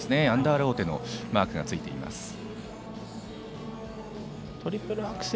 アンダーローテのマークがついています。